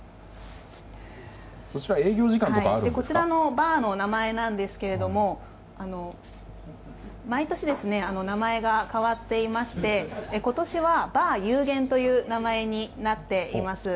こちらのバーの名前ですが毎年、名前が変わっていまして今年は「バー有限」という名前になっています。